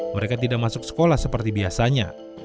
mereka tidak masuk sekolah seperti biasanya